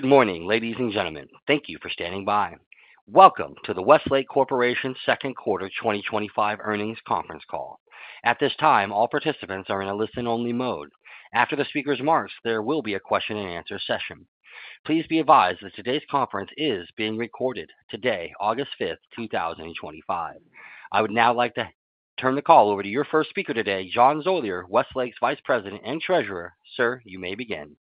Good morning ladies and gentlemen. Thank you for standing by. Welcome to the Westlake Corporation Second Quarter 2025 Earnings Conference Call. At this time, all participants are in a listen only mode. After the speaker's remarks, there will be a question and answer session. Please be advised that today's conference is being recorded today, August 5th, 2025. I would now like to turn the call over to your first speaker today, John Zoeller, Westlake's Vice President and Treasurer. Sir, you may begin.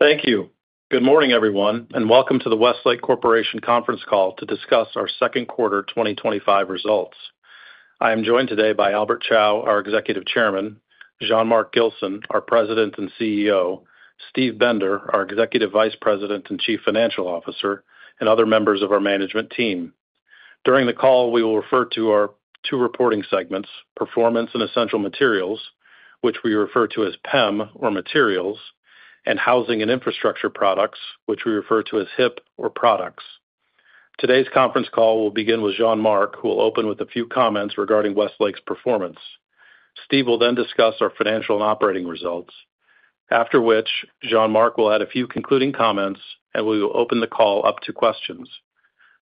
Thank you. Good morning everyone and welcome to the Westlake Corporation conference call to discuss our second quarter 2025 results. I am joined today by Albert Chao, our Executive Chairman, Jean-Marc Gilson, our President and CEO, Steve Bender, our Executive Vice President and Chief Financial Officer, and other members of our management team. During the call we will refer to our two reporting segments, Performance and Essential Materials, which we refer to as PEM or Materials, and Housing and Infrastructure Products, which we refer to as HIP or Products. Today's conference call will begin with Jean-Marc, who will open with a few comments regarding Westlake's performance. Steve will then discuss our financial and operating results, after which Jean-Marc will add a few concluding comments and we will open the call up to questions.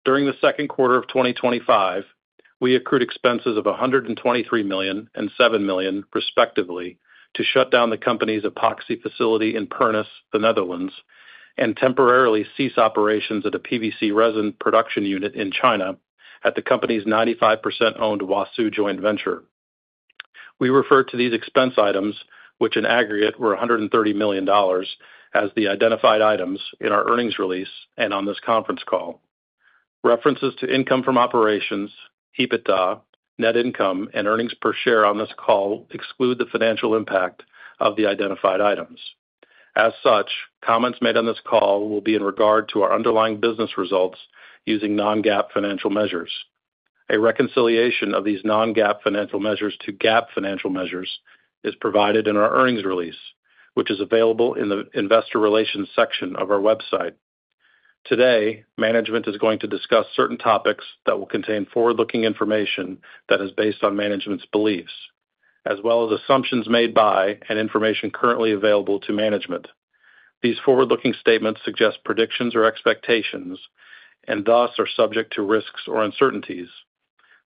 During the second quarter of 2025, we accrued expenses of $123 million and $7 million respectively to shut down the company's epoxy facility in Pernis, the Netherlands, and temporarily cease operations at a PVC resin production unit in China at the company's 95% owned Huasu joint venture. We refer to these expense items, which in aggregate were $130 million, as the identified items in our earnings release and on this conference call. References to income from operations, EBITDA, net income, and earnings per share on this call exclude the financial impact of the identified items. As such, comments made on this call will be in regard to our underlying business results using non-GAAP financial measures. A reconciliation of these non-GAAP financial measures to GAAP financial measures is provided in our earnings release, which is available in the Investor Relations section of our website. Today, management is going to discuss certain topics that will contain forward-looking information that is based on management's beliefs as well as assumptions made by and information currently available to management. These forward-looking statements suggest predictions or expectations and thus are subject to risks or uncertainties.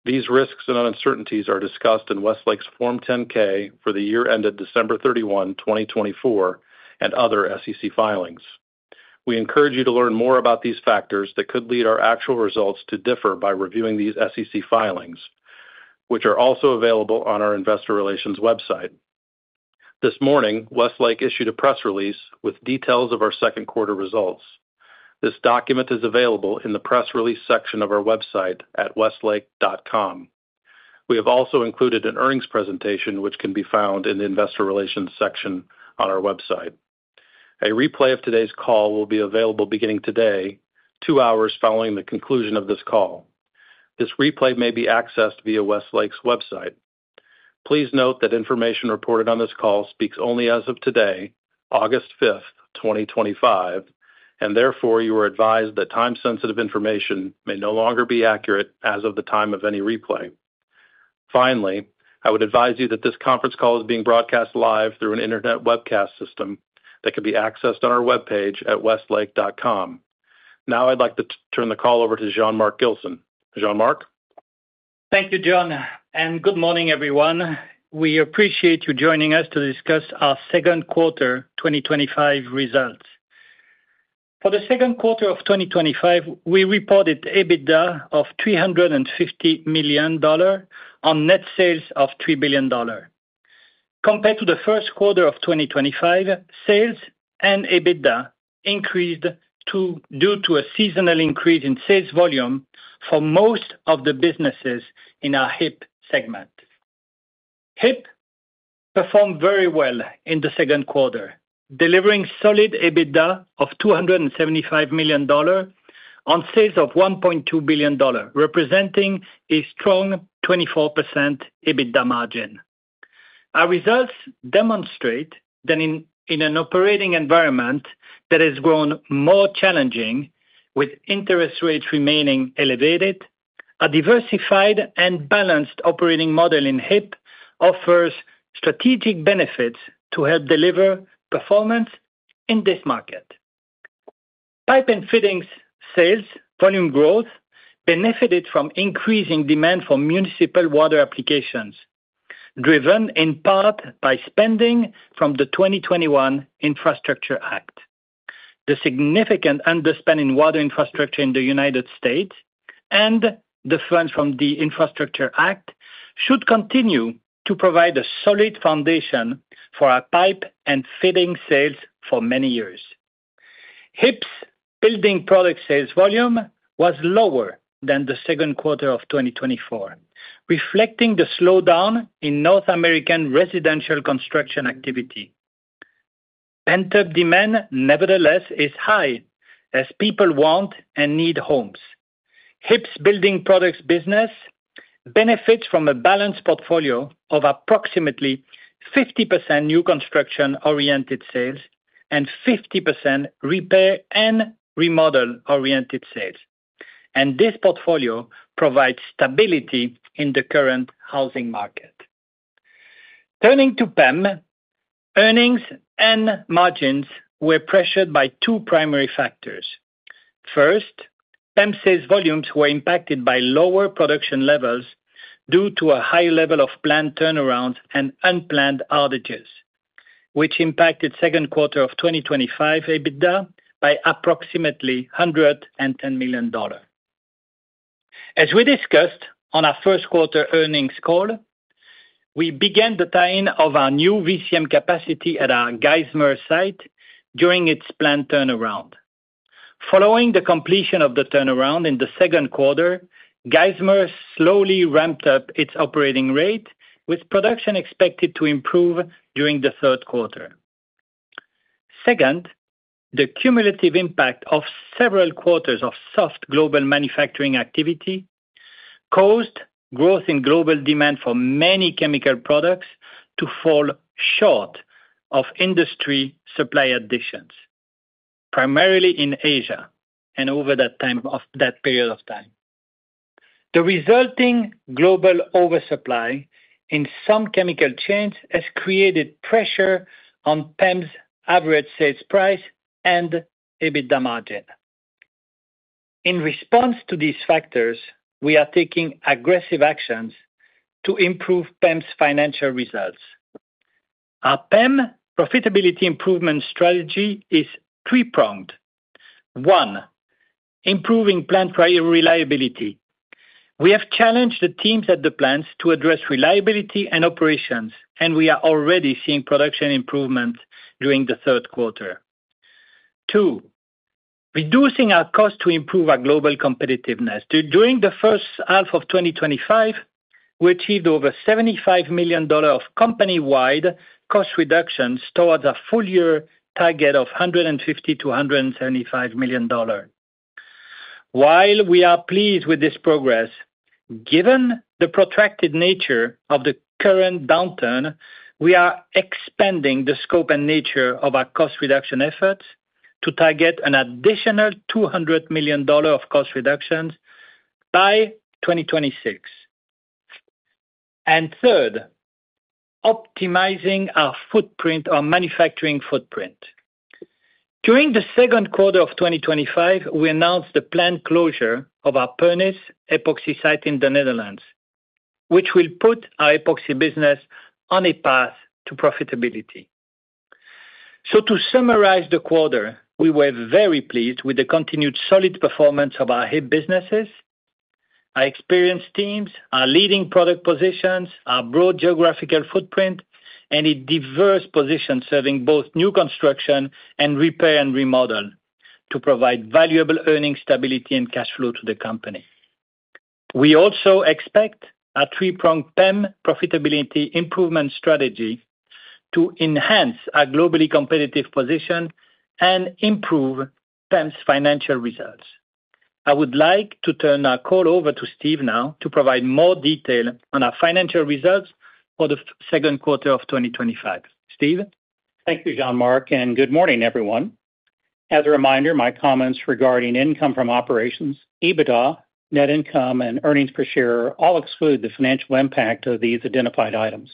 These risks and uncertainties are discussed in Westlake's Form 10-K for the year ended December 31, 2024, and other SEC filings. We encourage you to learn more about these factors that could lead our actual results to differ by reviewing these SEC filings, which are also available on our Investor Relations website. This morning, Westlake issued a press release with details of our second quarter results. This document is available in the press release section of our website at westlake.com. We have also included an earnings presentation which can be found in the Investor Relations section on our website. A replay of today's call will be available beginning today, two hours following the conclusion of this call. This replay may be accessed via Westlake's website. Please note that information reported on this call speaks only as of today, August 5th, 2025, and therefore you are advised that time sensitive information may no longer be accurate as of the time of any replay. Finally, I would advise you that this conference call is being broadcast live through an Internet webcast system that can be accessed on our webpage at westlake.com. Now I'd like to turn the call over to Jean-Marc Gilson. Jean-Marc, Thank you John, and good morning everyone. We appreciate you joining us to discuss our second quarter 2025 results. For the second quarter of 2025, we reported EBITDA of $350 million on net sales of $3 billion. Compared to the first quarter of 2025, sales and EBITDA increased due to a seasonal increase in sales volume for most of the businesses in our HIP segment. HIP performed very well in the second quarter, delivering solid EBITDA of $275 million on sales of $1.2 billion, representing a strong 24% EBITDA margin. Our results demonstrate that in an operating environment that has grown more challenging with interest rates remaining elevated, a diversified and balanced operating model in HIP offers strategic benefits to help deliver performance in this market. Pipe and Fittings sales volume growth benefited from increasing demand for municipal water applications, driven in part by spending from the 2021 Infrastructure Act. The significant underspending in water infrastructure in the United States and the funds from the Infrastructure Act should continue to provide a solid foundation for our pipe and fittings sales for many years. HIP's building product sales volume was lower than the second quarter of 2024, reflecting the slowdown in North American residential construction activity. Pent-up demand nevertheless is high as people want and need homes. HIP's building products business benefits from a balanced portfolio of approximately 50% new construction-oriented sales and 50% repair and remodel-oriented sales, and this portfolio provides stability in the current housing market. Turning to PEM, earnings and margins were pressured by two primary factors. First, PEM sales volumes were impacted by lower production levels due to a high level of planned turnarounds and unplanned outages, which impacted second quarter 2025 EBITDA by approximately $110 million. As we discussed on our first quarter earnings call, we began the tie-in of our new VCM capacity at our Geismar site during its planned turnaround. Following the completion of the turnaround in the second quarter, Geismar slowly ramped up its operating rate with production expected to improve during the third quarter. Second, the cumulative impact of several quarters of soft global manufacturing activity caused growth in global demand for many chemical products to fall short of industry supply additions, primarily in Asia, and over that period of time. The resulting global oversupply in some chemical chains has created pressure on PEM's average sales price and EBITDA margin. In response to these factors, we are taking aggressive actions to improve PEM's financial results. Our PEM profitability improvement strategy is three pronged: 1. Improving plant reliability. We have challenged the teams at the plants to address reliability and operations, and we are already seeing production improvement during the third quarter. 2. Reducing our cost to improve our global competitiveness. During the first half of 2025, we achieved over $75 million of company-wide cost reductions towards a full year target of $150 million-$175 million. While we are pleased with this progress, given the protracted nature of the current downturn, we are expanding the scope and nature of our cost reduction efforts to target an additional $200 million of cost reductions by 2026. 3. Optimizing our footprint, our manufacturing footprint. During the second quarter of 2025, we announced the planned closure of our Pernis epoxy site in the Netherlands, which will put our epoxy business on a path to profitability. To summarize the quarter, we were very pleased with the continued solid performance of our HIP businesses. Our experienced teams, our leading product positions, our broad geographical footprint, and a diverse position serving both new construction and repair and remodel provide valuable earnings stability and cash flow to the company. We also expect our three-pronged PEM profitability improvement strategy to enhance our globally competitive position and improve PEM's financial results. I would like to turn our call over to Steve now to provide more detail on our financial results for the second quarter of 2025. Steve, Thank you, Jean-Marc, and good morning everyone. As a reminder, my comments regarding income from operations, EBITDA, net income, and earnings per share all exclude the financial impact of these identified items.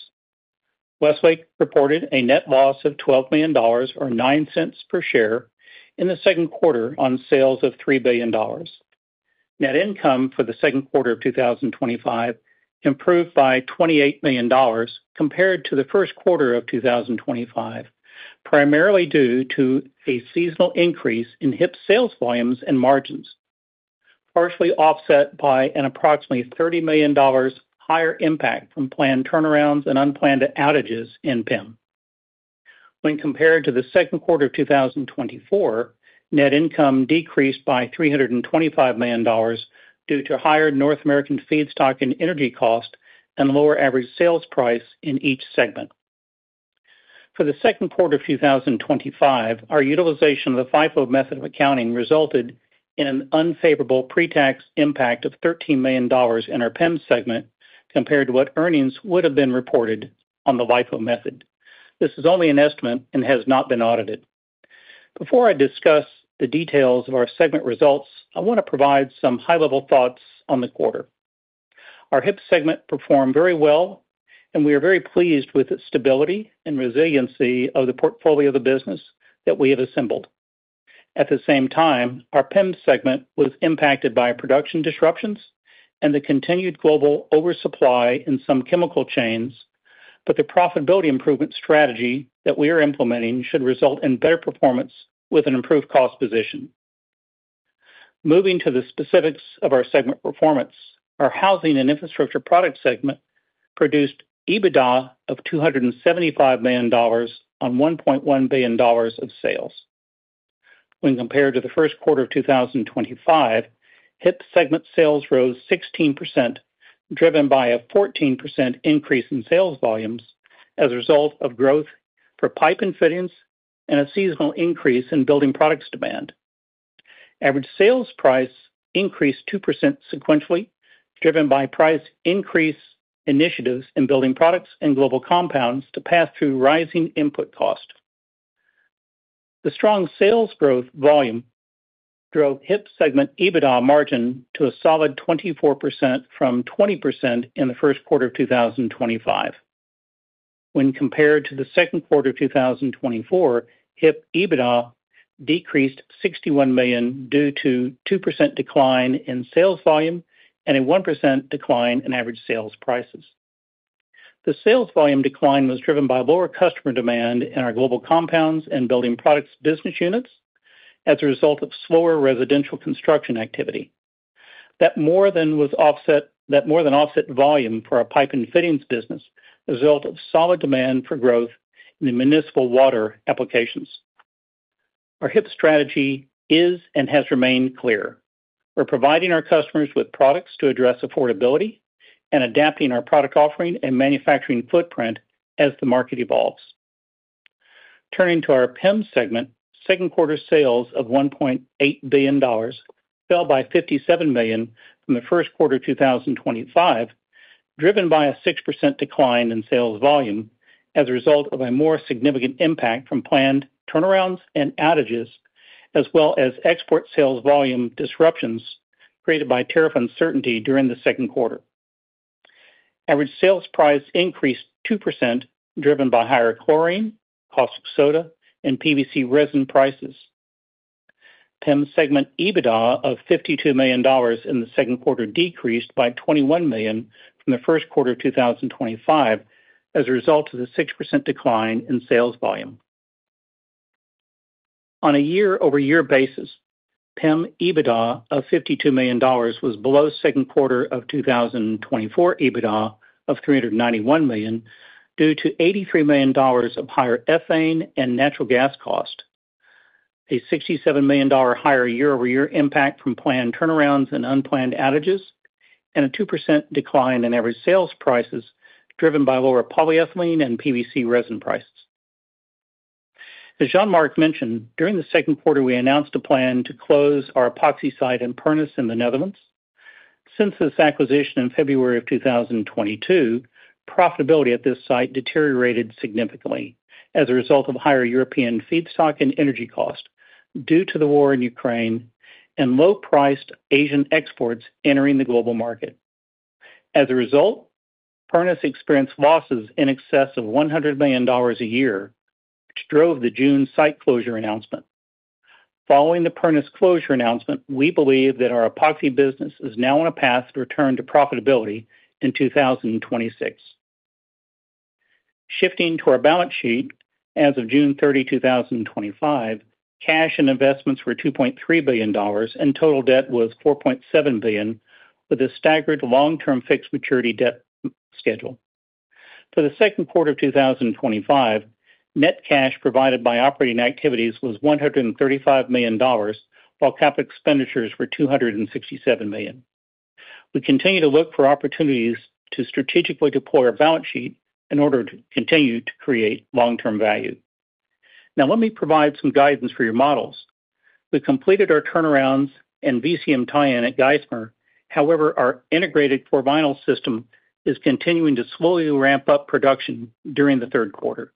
Westlake reported a net loss of $12 million, or $0.09 per share, in the second quarter on sales of $3 billion. Net income for the second quarter of 2025 improved by $28 million compared to the first quarter of 2025, primarily due to a seasonal increase in HIP sales volumes and margins, partially offset by an approximately $30 million higher impact from planned turnarounds and unplanned outages in PEM. When compared to the second quarter of 2024, net income decreased by $325 million due to higher North American feedstock and energy cost and lower average sales price in each segment. For the second quarter of 2025, our utilization of the FIFO method of accounting resulted in an unfavorable pre-tax impact of $13 million in our PEM segment compared to what earnings would have been reported on the LIFO method. This is only an estimate and has not been audited. Before I discuss the details of our segment results, I want to provide some high-level thoughts on the quarter. Our HIP segment performed very well, and we are very pleased with the stability and resiliency of the portfolio of the business that we have assembled. At the same time, our PEM segment was impacted by production disruptions and the continued global oversupply in some chemical chains. The profitability improvement strategy that we are implementing should result in better performance with an improved cost position. Moving to the specifics of our segment performance, our Housing and Infrastructure Products segment produced EBITDA of $275 million on $1.1 billion of sales when compared to the first quarter of 2025. HIP segment sales rose 16%, driven by a 14% increase in sales volumes. As a result of growth for pipe and fittings and a seasonal increase in building products demand, average sales price increased 2% sequentially, driven by price increase initiatives in building products and global compounds to pass through rising input cost. The strong sales growth volume drove HIP segment EBITDA margin to a solid 24% from 20% in the first quarter of 2025. When compared to the second quarter of 2024, HIP EBITDA decreased $61 million due to a 2% decline in sales volume and a 1% decline in average sales prices. The sales volume decline was driven by lower customer demand in our global compounds and building products business units as a result of slower residential construction activity. That more than offset volume for our pipe and fittings business as a result of solid demand for growth in the municipal water applications. Our HIP strategy is and has remained clear. We're providing our customers with products to address affordability and adapting our product offering and manufacturing footprint as the market evolves. Turning to our PEM segment, second quarter sales of $1.8 billion fell by $57 million from the first quarter 2025, driven by a 6% decline in sales volume as a result of a more significant impact from planned turnarounds and outages as well as export sales volume disruptions created by tariff uncertainty. During the second quarter, average sales price increased 2% driven by higher chlorine, caustic soda, and PVC resin prices. PEM segment EBITDA of $52 million in the second quarter decreased by $21 million from the first quarter 2025 as a result of the 6% decline in sales volume on a year-over-year basis. PEM EBITDA of $52 million was below second quarter 2024 EBITDA of $391 million due to $83 million of higher ethane and natural gas cost, a $67 million higher year-over-year impact from planned turnarounds and unplanned outages, and a 2% decline in average sales prices driven by lower polyethylene and PVC resin prices. As Jean-Marc mentioned, during the second quarter we announced a plan to close our epoxy site in Pernis in the Netherlands. Since this acquisition in February of 2022, profitability at this site deteriorated significantly as a result of higher European feedstock and energy cost due to the war in Ukraine and low-priced Asian exports entering the global market. As a result, Pernis experienced losses in excess of $100 million a year, which drove the June site closure announcement. Following the Pernis closure announcement, we believe that our epoxy business is now on a path to return to profitability in 2026. Shifting to our balance sheet, as of June 30, 2025, cash and investments were $2.3 billion and total debt was $4.7 billion with a staggered long-term fixed maturity debt schedule. For the second quarter of 2025, net cash provided by operating activities was $135 million while cap expenditures were $267 million. We continue to look for opportunities to strategically deploy our balance sheet in order to continue to create long-term value. Now let me provide some guidance for your models. We completed our turnarounds and VCM tie-in at Geismar. However, our integrated vinyl system is continuing to slowly ramp up production during the third quarter.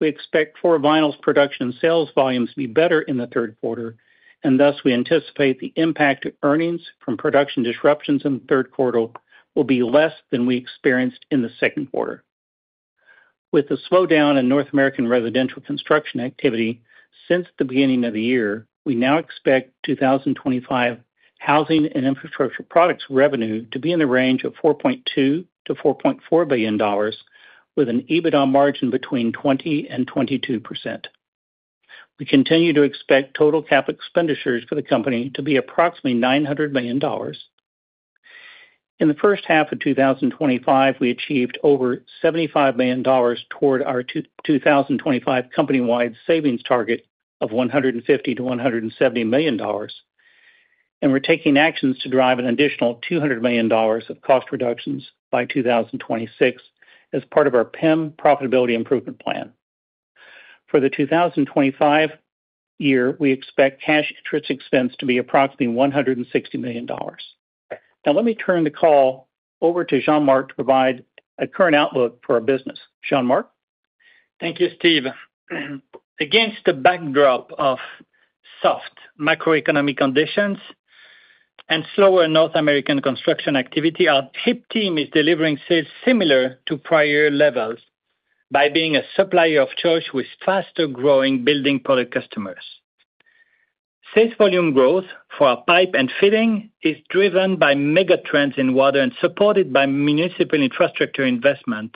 We expect floor vinyls production sales volumes to be better in the third quarter, and thus we anticipate the impact of earnings from production disruptions in the third quarter will be less than we experienced in the second quarter. With the slowdown in North American residential construction activity since the beginning of the year, we now expect 2025 Housing and Infrastructure Products revenue to be in the range of $4.2 billion-$4.4 billion with an EBITDA margin between 20% and 22%. We continue to expect total cap expenditures for the company to be approximately $900 million. In the first half of 2025, we achieved over $75 million toward our 2025 company-wide savings target of $150 million-$170 million, and we're taking actions to drive an additional $200 million of cost reductions by 2026 as part of our PEM Profitability Improvement plan. For the 2025 year, we expect cash interest expense to be approximately $160 million. Now let me turn the call over to Jean-Marc to provide a current outlook for our business. Jean-Marc, Thank you. Steve, against the backdrop of soft macroeconomic conditions and slower North American construction activity, our HIP team is delivering sales similar to prior levels by being a supplier of choice with faster growing building product customers. Sales volume growth for our pipe and fitting is driven by megatrends in water and supported by municipal infrastructure investment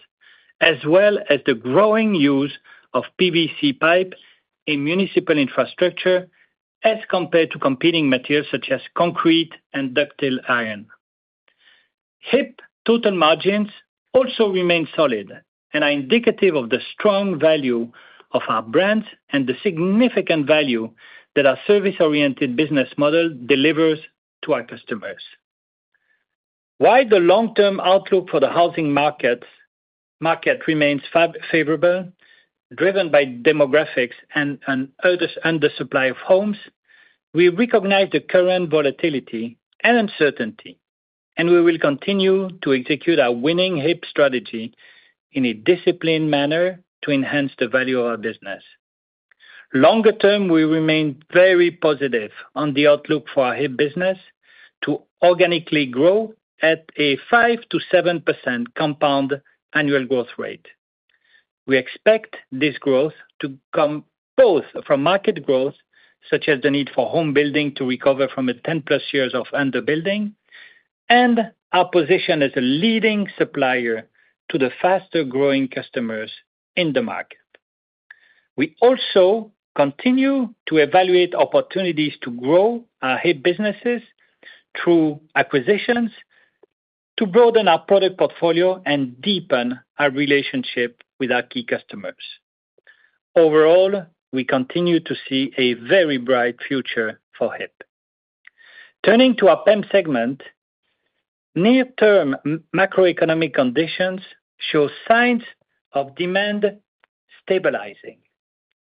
as well as the growing use of PVC pipe in municipal infrastructure as compared to competing materials such as concrete and ductile iron. HIP total margins also remain solid and are indicative of the strong value of our brands and the significant value that our service-oriented business model delivers to our customers. While the long-term outlook for the housing market remains favorable, driven by demographics and under supply of homes, we recognize the current volatility and uncertainty and we will continue to execute our winning HIP strategy in a disciplined manner to enhance the value of our business. Longer term, we remain very positive on the outlook for our HIP business to organically grow at a 5%-7% compound annual growth rate. We expect this growth to come both from market growth such as the need for home building to recover from 10+ years of underbuilding and our position as a leading supplier to the faster growing customers in the market. We also continue to evaluate opportunities to grow our HIP businesses through acquisitions to broaden our product portfolio and deepen our relationship with our key customers. Overall, we continue to see a very bright future for HIP. Turning to our PEM segment, near-term macroeconomic conditions show signs of demand stabilizing,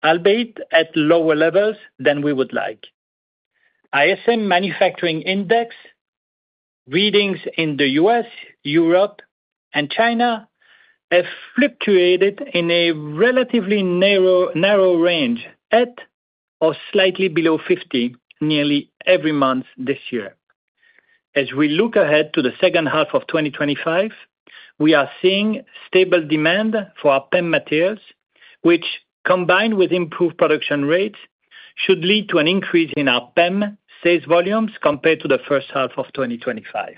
albeit at lower levels than we would like. ISM manufacturing index readings in the U.S., Europe, and China have fluctuated in a relatively narrow range at or slightly below 50 nearly every month this year. As we look ahead to the second half of 2025, we are seeing stable demand for our PEM materials, which combined with improved production rates should lead to an increase in our PEM sales volumes compared to the first half of 2025.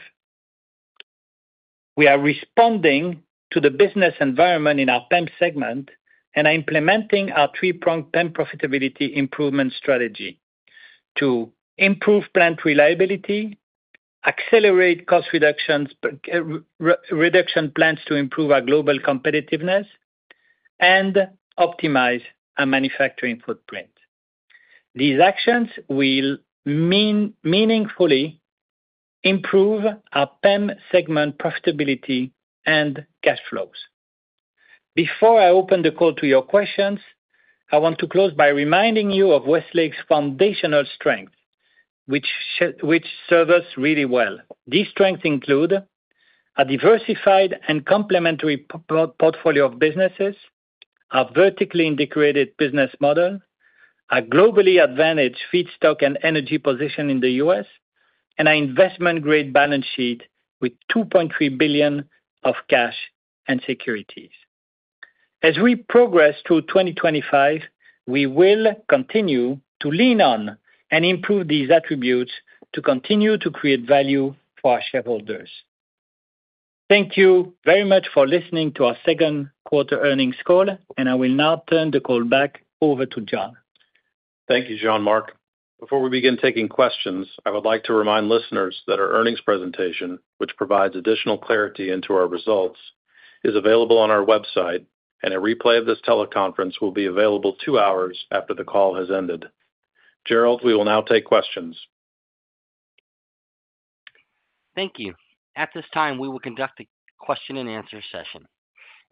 We are responding to the business environment in our PEM segment and are implementing our three-pronged PEM profitability improvement strategy to improve plant reliability, accelerate cost reduction plans to improve our global competitiveness, and optimize our manufacturing footprint. These actions will meaningfully improve our PEM segment, profitability, and cash flows. Before I open the call to your questions, I want to close by reminding you of Westlake's foundational strength, which serve us really well. These strengths include a diversified and complementary portfolio of businesses, a vertically integrated business model, a globally advantaged feedstock and energy position in the U.S., and an investment grade balance sheet with $2.3 billion of cash and securities. As we progress through 2025, we will continue to lean on and improve these attributes to continue to create value for our shareholders. Thank you very much for listening to our second quarter earnings call and I will now turn the call back over to John. Thank you, Jean-Marc, before we begin taking questions, I would like to remind listeners that our earnings presentation, which provides additional clarity into our results, is available on our website, and a replay of this teleconference will be available two hours after the call has ended. Gerald, we will now take questions. Thank you. At this time, we will conduct the question and answer session.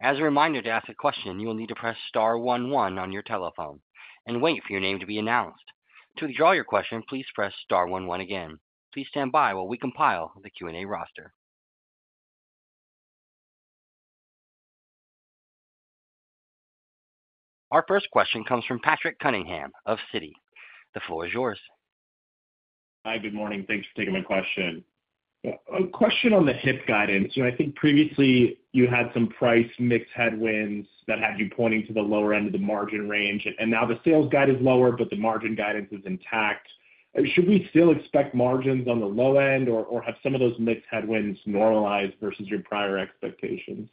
As a reminder, to ask a question, you will need to press star one one on your telephone and wait for your name to be announced. To withdraw your question, please press star one one again. Please stand by while we compile the Q&A roster. Our first question comes from Patrick Cunningham of Citi. The floor is yours. Hi, good morning. Thanks for taking my question. A question on the HIP guidance. I think previously you had some price mix headwinds that had you pointing to the lower end of the margin range, and now the sales guide is lower but the margin guidance is intact. Should we still expect margins on the low end, or have some of those mix headwinds normalized versus your prior expectations?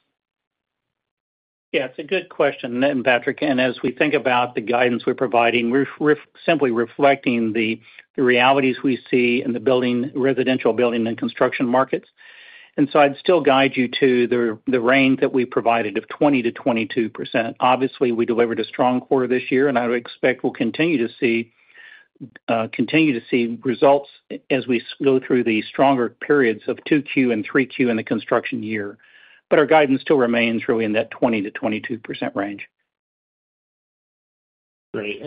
Yeah, it's a good question, Patrick. As we think about the guidance we're providing, we're simply reflecting the realities we see in the building, residential building and construction markets. I'd still guide you to the range that we provided of 20%-22%. Obviously, we delivered a strong quarter this year and I expect we'll continue to see results as we go through the stronger periods of 2Q and 3Q in the construction year. Our guidance still remains really in that 20%-22% range. Great.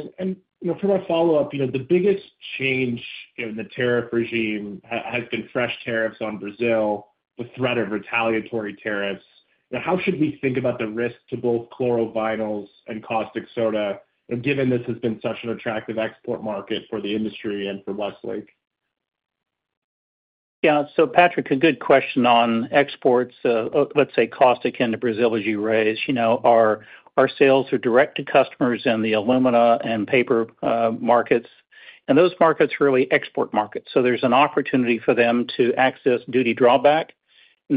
For my follow up, the biggest change in the tariff regime has been fresh tariffs on Brazil with threat of retaliatory tariffs. How should we think about the risk to both chlorovinyls and caustic soda given this has been such an attractive export market for the industry and for Westlake? Yeah. Patrick, a good question on exports. Let's say cost akin to Brazil as you raise, you know, our sales are direct to customers in the alumina and paper markets and those markets are really export markets. There's an opportunity for them to access duty drawback.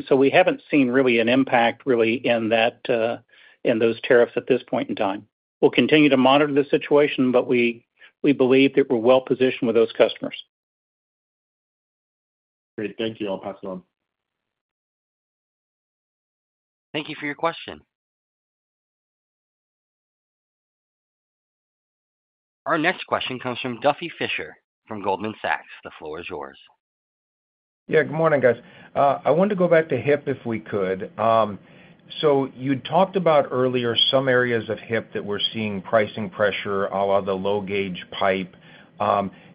We haven't seen really an impact in that at this point in time. We'll continue to monitor the situation, but we believe that we're well positioned with those customers. Great, thank you. I'll pass it on. Thank you for your question. Our next question comes from Duffy Fischer from Goldman Sachs. The floor is yours. Yeah. Good morning, guys. I wanted to go back to HIP if we could. You talked about earlier some areas of HIP that were seeing pricing pressure, a la the low gauge pipe.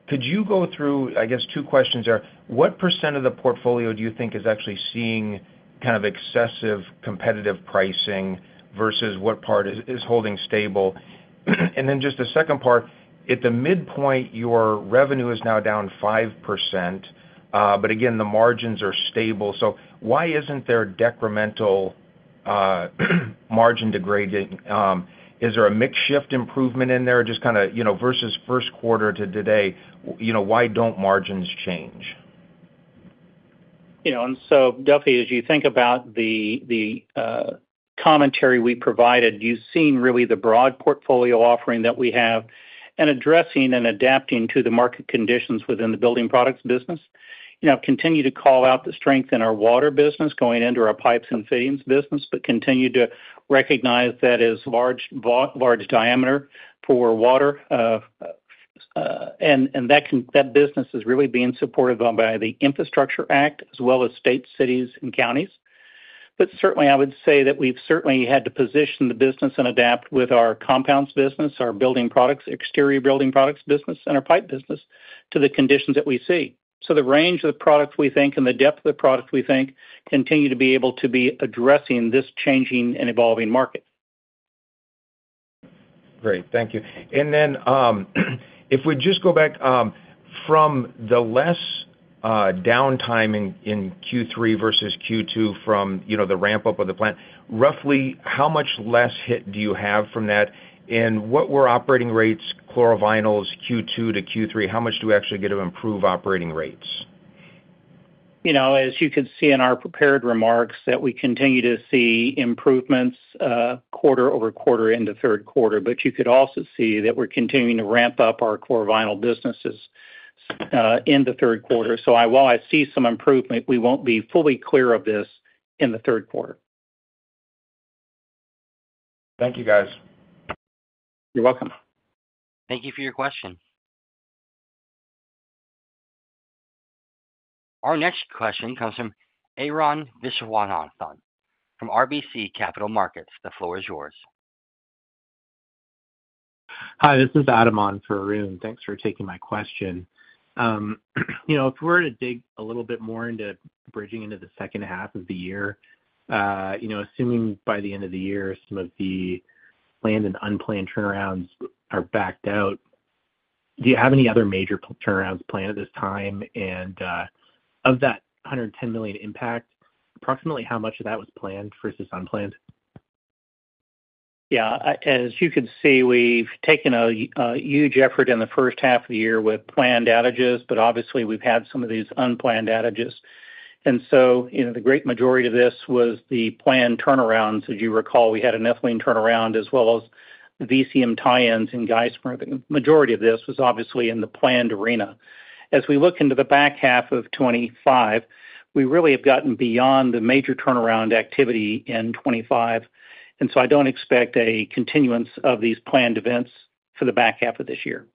Could you go through, I guess, two questions there. What % of the portfolio do you think is actually seeing kind of excessive competitive pricing versus what part is holding stable? The second part, at the midpoint, your revenue is now down 5% but again the margins are stable. Why isn't there decremental margin degrading? Is there a mix shift improvement in there just kind of, you know, versus first quarter to today, you know, why don't margins change. As you think about the commentary we provided, you've seen really the broad portfolio offering that we have and addressing and adapting to the market conditions within the building products business. I continue to call out the strength in our water business, going into our pipes and fittings business, but continue to recognize that as large, large diameter for water, and that business is really being supported by the Infrastructure Act as well as state, cities, and counties. I would say that we've certainly had to position the business and adapt with our compounds business, our building products exterior building products business, and our pipe business to the conditions that we see. The range of the product we think and the depth of the product we think continue to be able to be addressing this changing and evolving market. Great, thank you. If we just go back from the less downtime in Q3 versus Q2 from the ramp up of the plant, roughly how much less hit do you have from that? What were operating rates? Chlorovinyls, Q2 to Q3? How much do we actually get to improve operating rates? As you can see in our prepared remarks, we continue to see improvements quarter over quarter into the third quarter. You can also see that we're continuing to ramp up our core vinyl businesses in the third quarter. While I see some improvement, we won't be fully clear of this in the third quarter. Thank you, guys. You're welcome. Thank you for your question. Our next question comes from Arun Viswanathan from RBC Capital Markets. The floor is yours. Hi, this is Adam on for Arun. Thanks for taking my question. If we're to dig a little bit more into bridging into the second half of the year, assuming by the end of the year, some of the planned and unplanned turnarounds. Are backed out, do you have any? other major turnarounds planned at this time? Of that $110 million impact, approximately. How much of that was planned versus unplanned? Yeah, as you can see, we've taken a huge effort in the first half of the year with planned outages. Obviously, we've had some of these unplanned outages. The great majority of this was the planned turnarounds. As you recall, we had a turnaround as well as VCM tie-ins and gas printing. The majority of this was in the planned arena. As we look into the back half of 2025, we really have gotten beyond the major turnaround activity in 2025. I don't expect a continuance of these planned events for the back half of this year.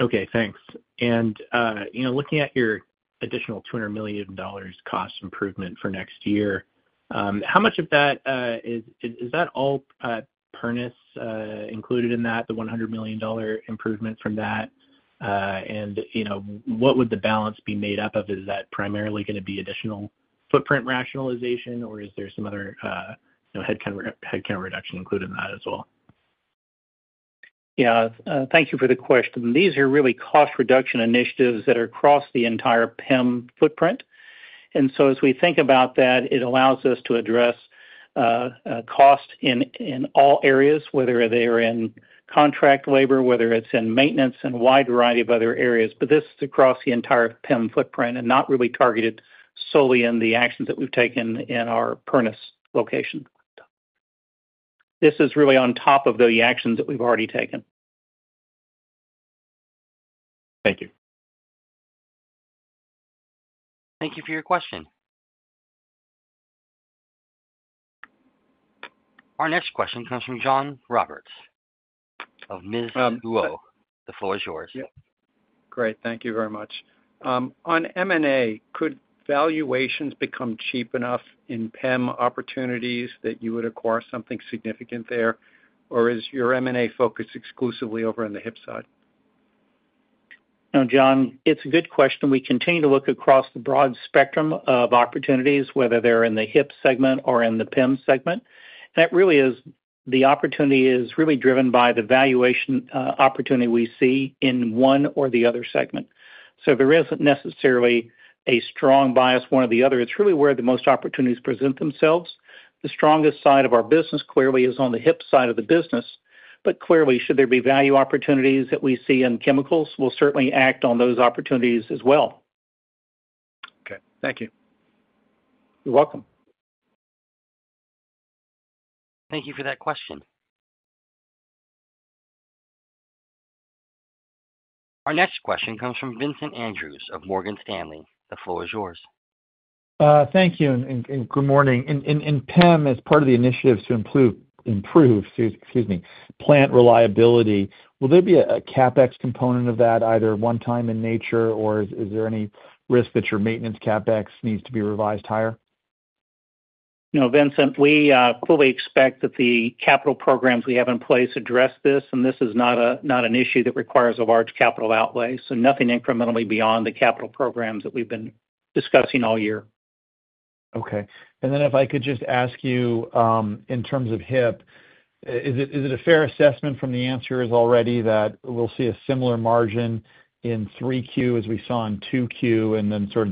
Okay, thanks. Looking at your additional $200 million cost improvement for next year, how much of that is all Pernis included in that? The $100 million improvement from that? What would the balance be made up of? Is that primarily going to be additional footprint rationalization or is there some other headcount reduction included in that as well? Thank you for the question. These are really cost reduction initiatives that are across the entire PEM footprint. As we think about that, it allows us to address cost in all areas, whether they are in contract labor, whether it's in maintenance, and a wide variety of other areas. This is across the entire PEM footprint and not really targeted solely in the actions that we've taken in our Pernis location. This is really on top of the actions that we've already taken. Thank you. Thank you for your question. Our next question comes from John Roberts of Mizuho. The floor is yours. Great. Thank you very much. On M&A, could valuations become. Cheap enough in PEM opportunities. Would acquire something significant there, or is. Your M&A focused exclusively over on the HIP side now, John, it's a good question. We continue to look across the broad spectrum of opportunities, whether they're in the HIP segment or in the PEM segment. That really is the opportunity, is really driven by the valuation opportunity we see in one or the other segment. There isn't necessarily a strong bias, one or the other. It's really where the most opportunities present themselves. The strongest side of our business clearly is on the HIP side of the business. Clearly, should there be value opportunities that we see in chemicals, we'll certainly act on those opportunities as well. Okay, thank you. You're welcome. Thank you for that question. Our next question comes from Vincent Andrews of Morgan Stanley. The floor is yours. Thank you, and good morning. As part of the initiatives to improve, excuse me, plant reliability in PEM, will there be a CapEx component of that either one time in nature, or is there any risk that your maintenance CapEx needs to be revised higher? No, Vincent, we fully expect that the capital programs we have in place address this. This is not an issue that requires a large capital outlay. Nothing incrementally beyond the capital programs that we've been discussing all year. Okay. If I could just ask. In terms of HIP, is it. A fair assessment. The answer is that we'll see a similar margin in 3Q as we saw in 2Q.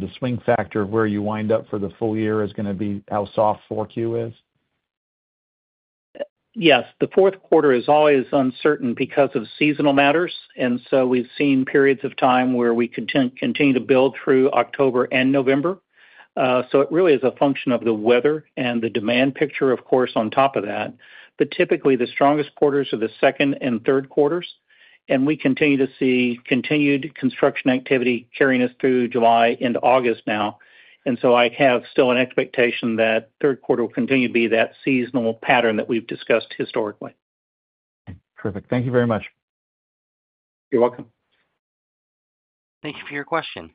The swing factor of where you wind up for the full year is going. To be how soft 4Q is. Yes, the fourth quarter is always uncertain because of seasonal matters. We've seen periods of time where we could continue to build through October and November. It really is a function of the weather and the demand picture, of course, on top of that. Typically the strongest quarters are the second and third quarters. We continue to see continued construction activity carrying us through July into August now. I have still an expectation that third quarter will continue to be that seasonal pattern that we've discussed historically. Terrific. Thank you very much. You're welcome. Thank you for your question.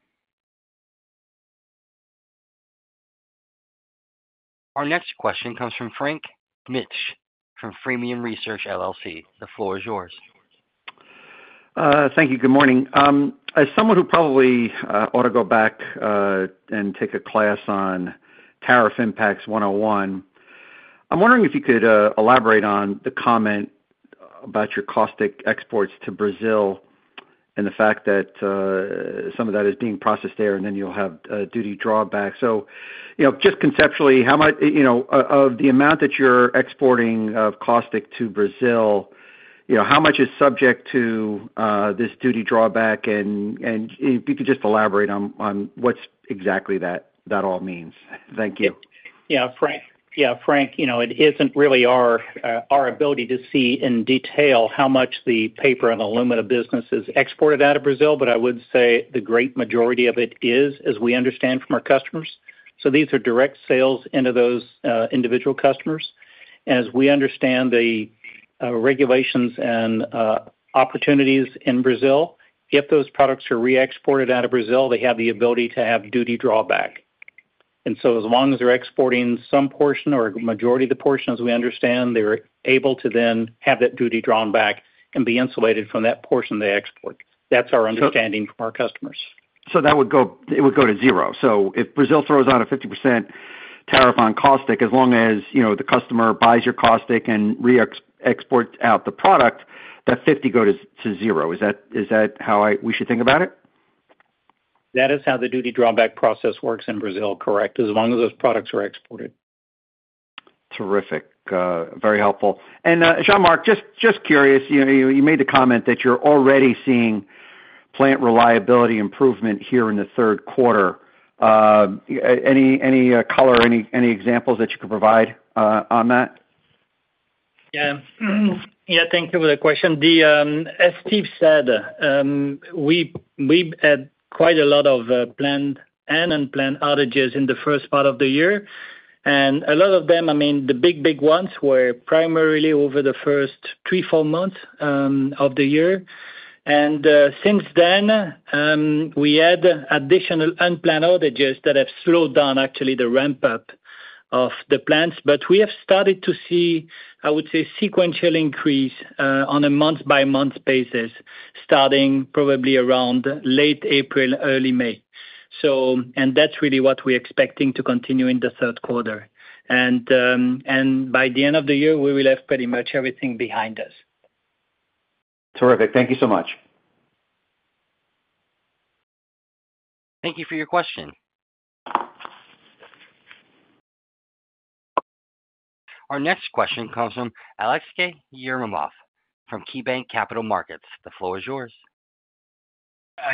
Our next question comes from Frank Mitsch from Fermium Research LLC. The floor is yours. Thank you. Good morning. As someone who probably ought to go back and take a class on tariff impacts 101, I'm wondering if you could elaborate on the comment about your caustic exports to Brazil and the fact that some of that is being processed there and then you'll have duty drawback. Just conceptually, how much of the amount that you're exporting of caustic to Brazil is subject to this duty drawback? If you could just elaborate on what exactly that all means. Thank you. Yeah, Frank. It isn't really our ability to see in detail how much the paper and alumina business is exported out of Brazil. I would say the great majority of it is, as we understand from our customers. These are direct sales into those individual customers. As we understand the regulations and opportunities in Brazil, if those products are re-exported out of Brazil, they have the ability to have duty drawback. As long as they're exporting some portion or majority of the portion, as we understand, they're able to then have that duty drawn back and be insulated from that portion they export. That's our understanding from our customers. It would go to zero. If Brazil throws out a 50% tariff on caustic, as long as the customer buys your caustic and you export out the product, that 50% would go to zero. Is that how we should think about it? That is how the duty drawback process works in Brazil, correct, as long as those products are exported. Terrific, very helpful. Jean-Marc, just curious, you made the comment that you're already seeing plant reliability improvement here in the third quarter. Any color, any examples that you could provide on that? Thank you for the question. As Steve said, we had quite a lot of planned and unplanned outages in the first part of the year. A lot of them, I mean the big, big ones, were primarily over the first three or four months of the year. Since then, we had additional unplanned outages that have slowed down actually the ramp up of the plants. We have started to see, I say, sequential increase on a month-by-month basis starting probably around late April, early May. That is really what we're expecting to continue in the third quarter. By the end of the year, we will have pretty much everything behind us. Terrific. Thank you so much. Thank you for your question. Our next question comes from Aleksey Yefremov from KeyBanc Capital Markets, the floor is yours.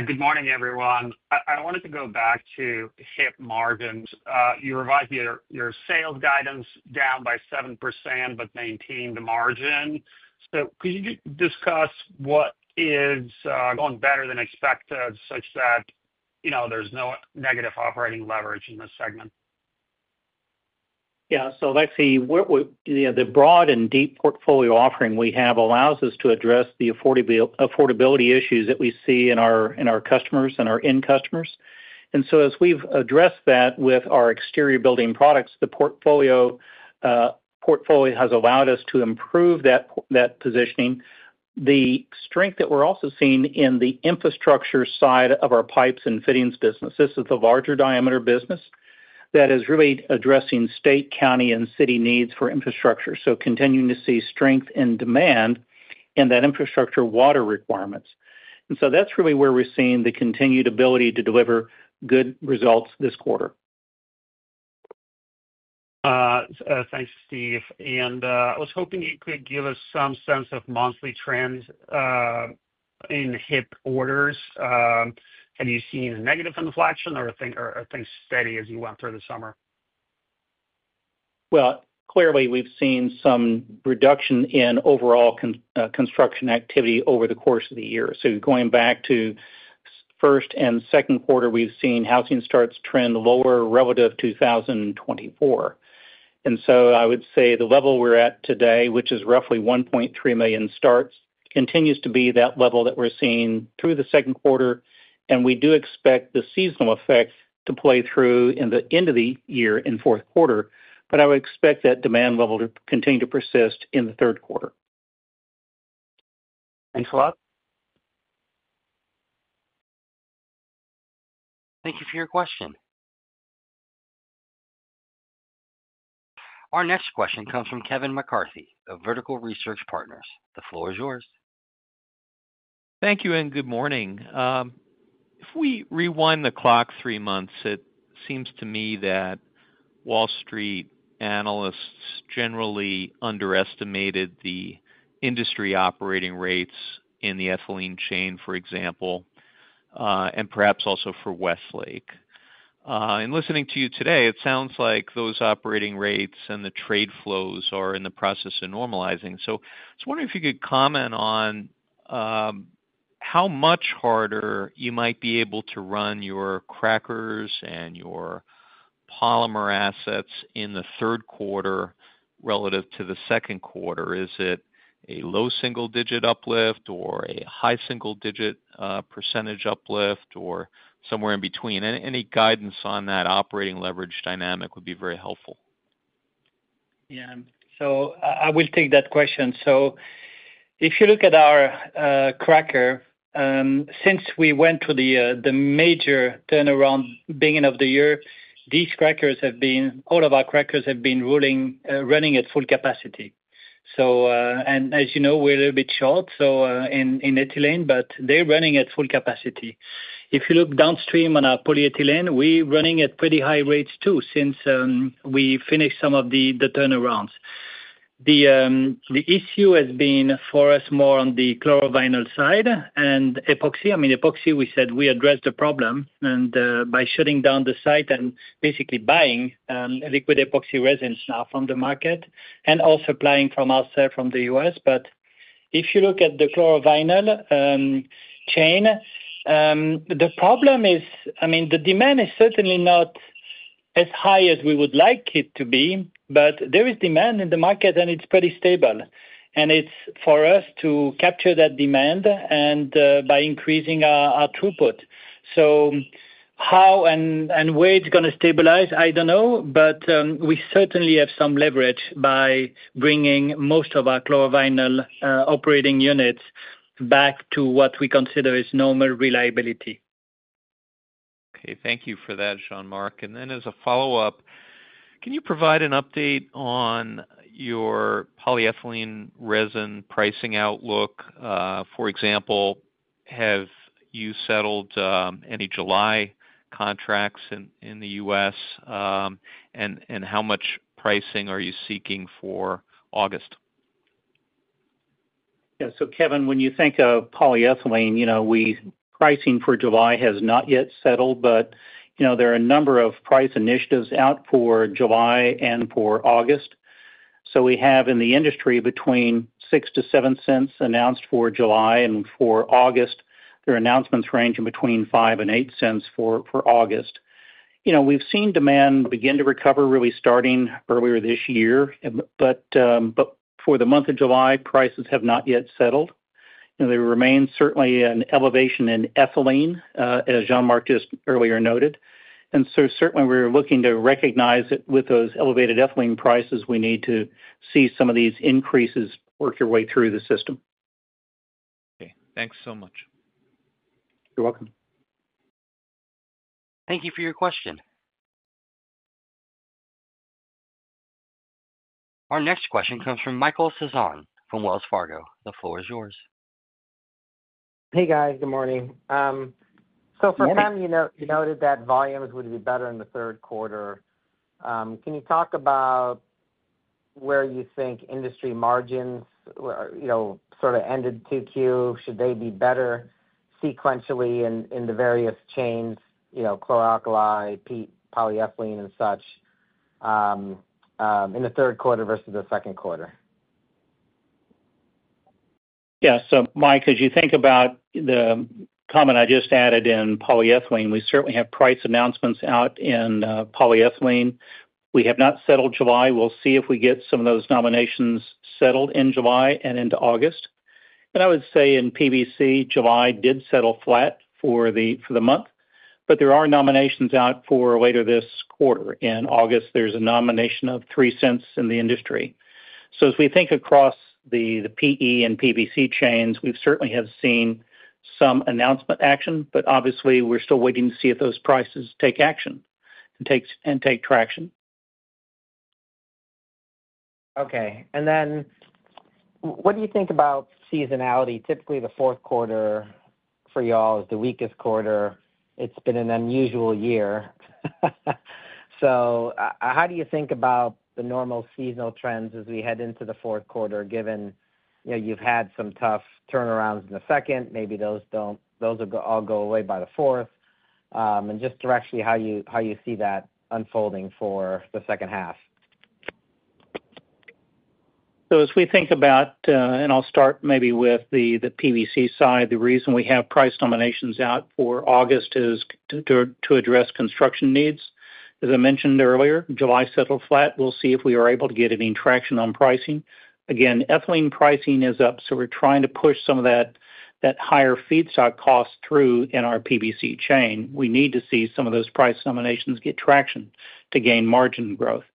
Good morning, everyone. I wanted to go back to HIP margins. You revised your sales guidance down by. 7% but maintained the margin. Could you discuss what is going better than expected such that you know. There's no negative operating leverage in this segment. Yeah. The broad and deep portfolio offering we have allows us to address the affordability issues that we see in our customers and our end customers. As we've addressed that with our exterior building products, the portfolio has allowed us to improve that positioning. The strength that we're also seeing in the infrastructure side of our pipes and fittings business is the larger diameter business that is really addressing state, county, and city needs for infrastructure. We continue to see strength in demand in that infrastructure, water requirements. That's really where we're seeing the continued ability to deliver good results this quarter. Thanks, Steve. I was hoping you could give. us some sense of monthly trends in HIP orders. Have you seen a negative inflection? Are things steady as you went through the summer? Clearly we've seen some reduction in overall construction activity over the course of the year. Going back to the first and second quarter, we've seen housing starts trend lower relative to 2024. I would say the level we're at today, which is roughly 1.3 million starts, continues to be that level that we're seeing through the second quarter. We do expect the seasonal effect to play through in the end of the year and fourth quarter. I would expect that demand level to continue to persist in the third quarter. Thanks a lot. Thank you for your question. Our next question comes from Kevin McCarthy of Vertical Research Partners. The floor is yours. Thank you. Good morning. If we rewind the clock three months, it seems to me that Wall Street analysts generally underestimated the industry operating rates in the ethylene chain, for example. Perhaps also for Westlake. Listening to you today, it sounds. Like those operating rates and the trade. Flows are in the process of normalizing. I was wondering if you could. Comment on how much harder you might. Be able to run your crackers and your polymer assets in the third quarter relative to the second quarter. Is it a low single digit uplift or a high single digit percentage uplift or somewhere in between? Any guidance on that operating leverage dynamic would be very helpful. Yeah, I will take that question. If you look at our cracker, since we went to the major turnaround at the beginning of the year, these crackers have been, all of our crackers have been running at full capacity, and as you know, we're a little bit short in Italy, but they're running at full capacity. If you look downstream on our polyethylene, we're running at pretty high rates, too. Since we finished some of the turnarounds, the issue has been for us more on the chlorovinyl side and epoxy. I mean, epoxy, we said we addressed the problem by shutting down the site and basically buying liquid epoxy resins now from the market and also supplying from ourselves from the U.S. If you look at the chlorovinyl chain, the problem is, I mean, the demand is certainly not as high as we would like it to be, but there is demand in the market and it's pretty stable and it's for us to capture that demand by increasing our throughput. How and where it's going to stabilize, I don't know. We certainly have some leverage by bringing most of our chlorovinyl operating units back to what we consider is normal reliability. Okay, thank you for that, Jean-Marc. As a follow up, can you provide an update on your polyethylene resin pricing outlook? For example, have you settled any July contracts in the U.S. and how much. pricing are you seeking for August? Yeah, so, Kevin, when you think of polyethylene, you know, pricing for July has not yet settled, but there are a number of price initiatives out for July and for August. We have in the industry between $0.06-$0.07 announced for July, and for August, there are announcements ranging between $0.05-$0.08 for August. We've seen demand begin to recover, really starting earlier this year. For the month of July, prices have not yet settled. There remains certainly an elevation in ethylene, as Jean-Marc just earlier noted. Certainly, we're looking to recognize that with those elevated ethylene prices, we need to see some of these increases work their way through the system. Okay, thanks so much. You're welcome. Thank you for your question. Our next question comes from Michael Sison from Wells Fargo. The floor is yours. Hey, guys. Good morning. You noted that volumes would be better in the third quarter. Can you talk about where you think industry margins sort of ended 2Q? Should they be better sequentially in the various chains, you know, chlor-alkali, polyethylene and such in the third quarter versus the second quarter? Yeah. Mike, as you think about the comment I just added in polyethylene, we certainly have price announcements out in polyethylene. We have not settled July. We'll see if we get some of those nominations settled in July and into August. I would say in PVC, July did settle flat for the month, but there are nominations out for later this quarter. In August, there's a nomination of $0.03 in the industry. As we think across the PE and PVC chains, we certainly have seen some announcement action, but obviously we're still waiting to see if those prices take action and take traction. Okay, and then what do you think about seasonality? Typically, the fourth quarter for y'all is the weakest quarter. It's been an unusual year. How do you think about the normal seasonal trends as we head into the fourth quarter? Given you've had some tough turnarounds in the second, maybe those will all go away by the fourth. Just directly, how you see that unfolding for the second half. As we think about, and I'll start maybe with the PVC side, the reason we have price nominations out for August is to address construction needs. As I mentioned earlier, July settled flat. We'll see if we are able to get any traction on pricing. Again, ethylene pricing is up, so we're trying to push some of that higher feedstock cost through in our PVC chain. We need to see some of those price nominations get traction to gain margin growth.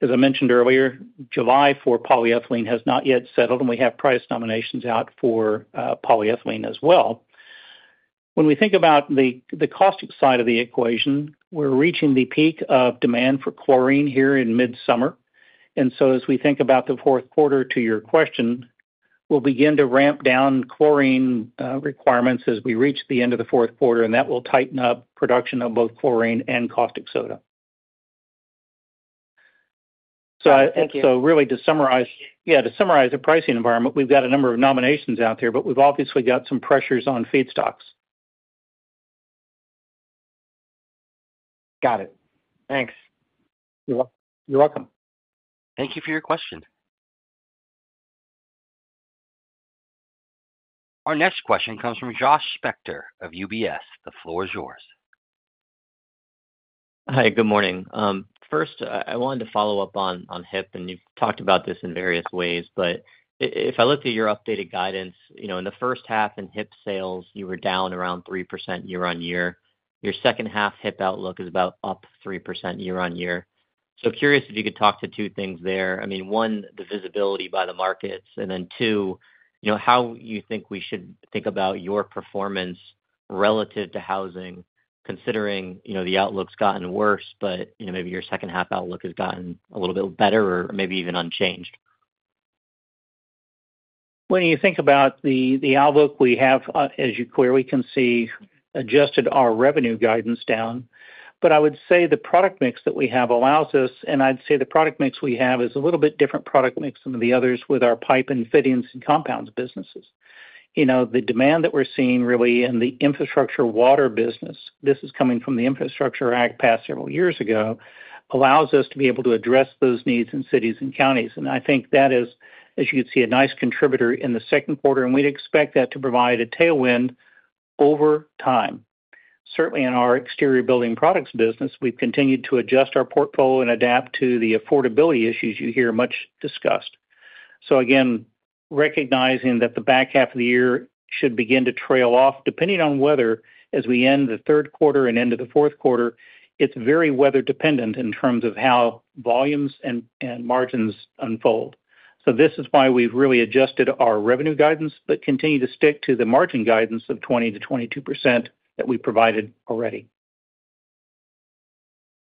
As I mentioned earlier, July for polyethylene has not yet settled and we have price nominations out for polyethylene as well. When we think about the caustic side of the equation, we're reaching the peak of demand for chlorine here in mid-summer. As we think about the fourth quarter to your question, we'll begin to ramp down chlorine requirements as we reach the end of the fourth quarter and that will tighten up production of both chlorine and caustic soda. Thank you. To summarize the pricing environment, we've got a number of nominations out there, but we've obviously got some pressures on feedstocks. Got it. Thanks. You're welcome. Thank you for your question. Our next question comes from Josh Spector of UBS. The floor is yours. Hi, good morning. First, I wanted to follow up on HIP, and you've talked about this in various ways, but if I looked at your updated guidance, you know, in the first half in HIP sales, you were down around 3% year on year. Your second half HIP outlook is about up 3% year on year. Curious if you could talk to two things there. I mean, one, the visibility by the markets and then two, you know, how you think we should think about your performance relative to housing considering, you know, the outlook's gotten worse. Maybe your second half outlook has gotten a little bit better or maybe even unchanged. When you think about the outlook we have, as you clearly can see, adjusted our revenue guidance down. I would say the product mix that we have allows us, and I'd say the product mix we have is a little bit different product mix than the others with our pipe and fittings and compounds businesses. The demand that we're seeing really in the infrastructure water business, this is coming from the Infrastructure Act passed several years ago, allows us to be able to address those needs in cities and counties. I think that is, as you can see, a nice contributor in the second quarter and we'd expect that to provide a tailwind over time. Certainly in our exterior building products business, we've continued to adjust our portfolio and adapt to the affordability issues you hear much discussed. Again, recognizing that the back half of the year should begin to trail off depending on weather as we end the third quarter and into the fourth quarter, it's very weather dependent in terms of how volumes and margins unfold. This is why we've really adjusted our revenue guidance but continue to stick to the margin guidance of 20%-22% that we provided already.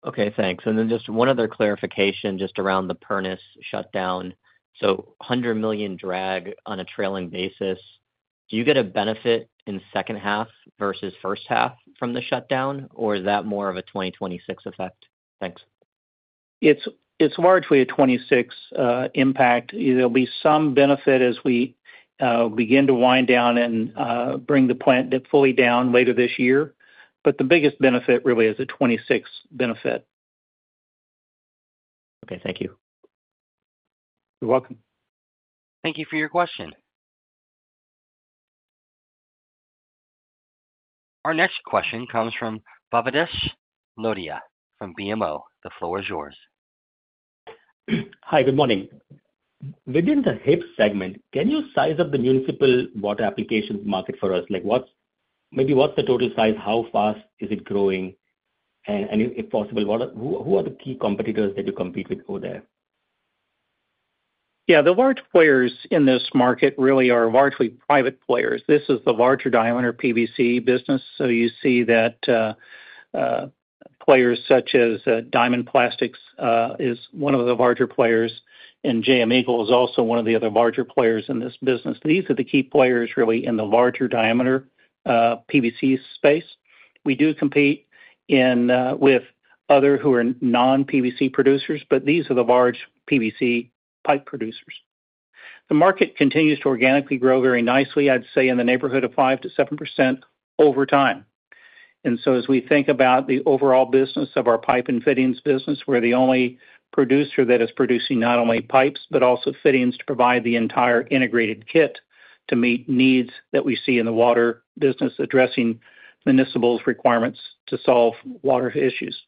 Okay, thanks. Just one other clarification. Around the Pernis shutdown, $100 million drag on a trailing basis, do you get a benefit in second half versus first half from the shutdown, or is that more of a 2026 effect? Thanks. It's largely a 2026 impact. There'll be some benefit as we begin to wind down and bring the plant fully down later this year. The biggest benefit really is a 2026 benefit. Okay, thank you. You're welcome. Thank you for your question. Our next question comes from Bhavesh Lodaya from BMO. The floor is yours. Hi, good morning. Within the HIP segment, can you size. Up the municipal water applications market for us? Like, what's maybe, what's the total size? How fast is it growing, and if. Who are the key competitors that you compete with over there? Yeah, the large players in this market really are largely private players. This is the larger dial in our PVC business. You see that players such as Diamond Plastics is one of the larger players, and JM Eagle is also one of the other larger players in this business. These are the key players really in the larger diameter PVC space. We do compete in with others who are non-PVC producers, but these are the large PVC pipe producers. The market continues to organically grow very nicely, I'd say in the neighborhood of 5%-7% over time. As we think about the overall business of our pipe and fittings business, we're the only producer that is producing not only pipes but also fittings to provide the entire integrated kit to meet needs that we see in the water business addressing municipals' requirements to solve water issues.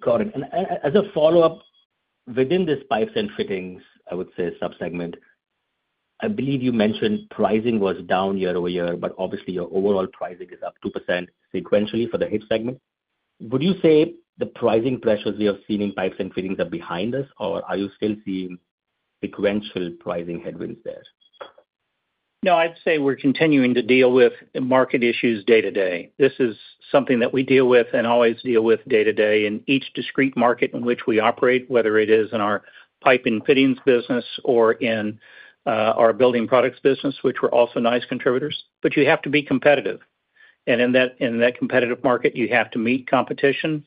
Got it. As a follow up within this. Pipes and fittings, I would say sub. Segment, I believe you mentioned pricing was. Down year over year, but obviously your overall pricing is up 2% sequentially for the HIP segment. Would you say the pricing pressures we have seen in pipes and fittings are. Behind us, or are you still seeing? Sequential pricing headwinds there? No, I'd say we're continuing to deal with market issues day to day. This is something that we deal with and always deal with day to day in each discrete market in which we operate, whether it is in our pipe and fittings business or in our building products business, which were also nice contributors. You have to be competitive, and in that competitive market you have to meet competition.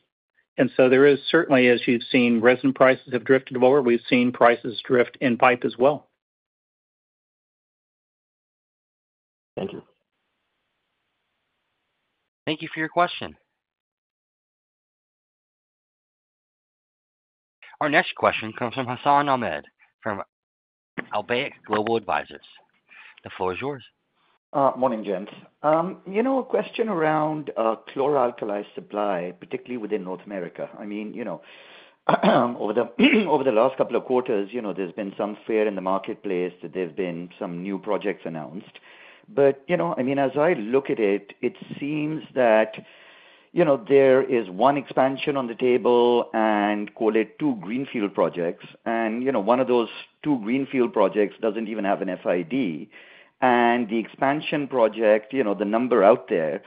There is certainly, as you've seen, resin prices have drifted lower. We've seen prices drift in pipe as well. Thank you. Thank you for your question. Our next question comes from Hassan Ahmed from Alembic Global Advisors. The floor is yours. Morning, gents. A question around chlor-alkali supply, particularly within North America. Over the last couple of quarters, there's been some fear in the marketplace that there's been some new projects announced. As I look at it, it seems that there is one expansion on the table and, call it, two greenfield projects. One of those two greenfield projects doesn't even have an FID, and the expansion project, the number out there